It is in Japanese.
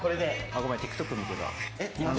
ごめん、ＴｉｋＴｏｋ見てた。